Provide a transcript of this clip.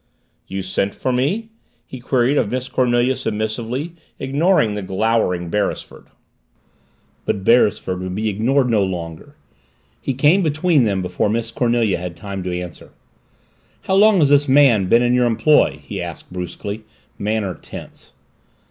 "You sent for me?" he queried of Miss Cornelia submissively, ignoring the glowering Beresford. But Beresford would be ignored no longer. He came between them before Miss Cornelia had time to answer. "How long has this man been in your employ?" he asked brusquely, manner tense.